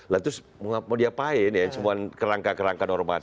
lalu mau diapain ya semua kerangka kerangka normatif